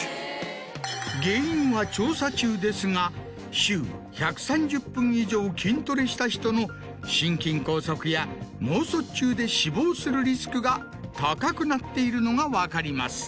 原因は調査中ですが週１３０分以上筋トレした人の心筋梗塞や脳卒中で死亡するリスクが高くなっているのが分かります。